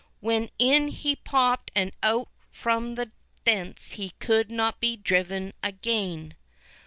When in he popped and out from thence could not be driven again."